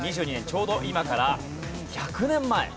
ちょうど今から１００年前。